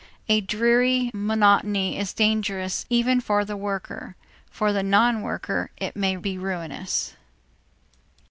A dreary monotony is dangerous even for the worker; for the non worker it may be ruinous.